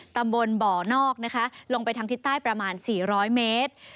ตำบลบ่อนอกนะคะลงไปทางทิศใต้ประมาณ๔๐๐เมตร